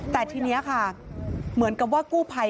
แต่ทีนี้ค่ะเหมือนกับว่ากู้ภัย